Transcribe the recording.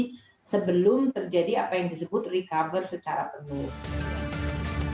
terjadi sebelum terjadi apa yang disebut recover secara penuh